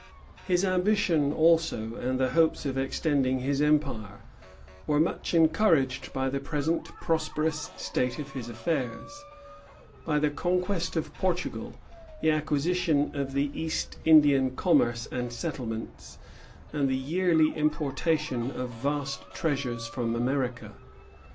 His ambition also, and the hopes of extending his empire, were much encouraged by the present prosperous state of his affairs; by the conquest of Portugal, the acquisition of the East Indian commerce and settlements, and the yearly importation of vast treasures from America.